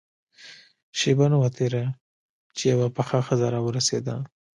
شېبه نه وه تېره چې يوه پخه ښځه راورسېده.